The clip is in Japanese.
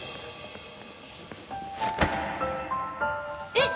えっ！？